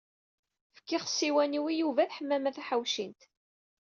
Fkiɣ ssiwan-iw i Yuba d Ḥemmama Taḥawcint.